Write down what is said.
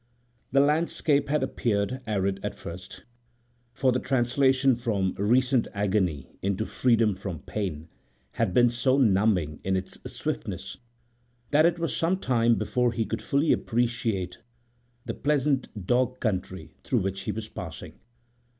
The landscape had appeared arid at first, for the translation from recent agony into freedom from pain had been so numbing in its swiftness that it was some time before he could fully appreciate the pleasant dog country through which he was passing.